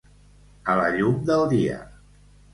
A la llum del dia.